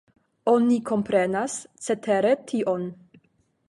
Oni komprenas cetere tion.